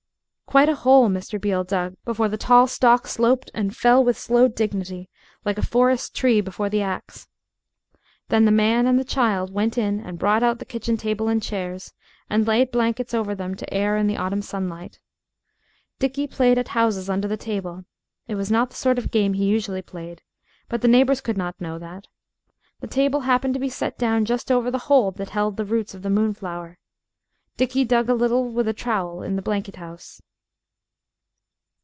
Quite a hole Mr. Beale dug before the tall stalk sloped and fell with slow dignity, like a forest tree before the axe. Then the man and the child went in and brought out the kitchen table and chairs, and laid blankets over them to air in the autumn sunlight. Dickie played at houses under the table it was not the sort of game he usually played, but the neighbors could not know that. The table happened to be set down just over the hole that had held the roots of the moonflower. Dickie dug a little with a trowel in the blanket house.